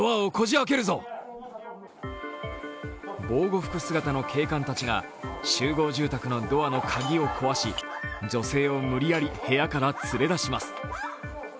防護服姿の警官たちが集合住宅のドアの鍵を壊し女性を無理やり部屋から連れ出します。